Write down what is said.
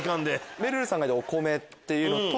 めるるさんが言ったお米というのと。